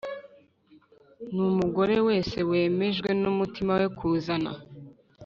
N umugore wese wemejwe n umutima we kuzana